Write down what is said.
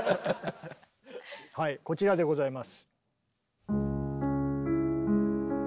はいこちらでございます。